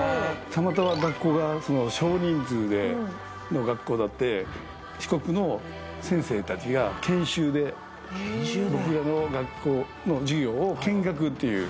たまたま学校が少人数の学校で四国の先生たちが研修で僕らの学校の授業を見学っていう。